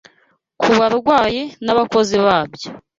ku barwayi n’abakozi babyo